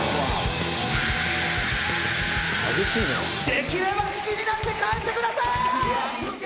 できれば好きになって帰ってください！